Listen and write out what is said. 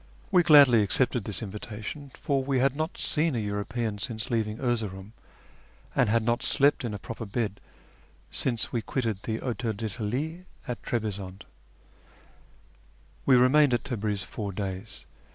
We gladly accepted this invitation, for we had not seen a European since leaving Erzeroum, and had not slept in a proper bed since we quitted the Hotel d'ltalie at Trebizonde. We remained at Tabriz four days.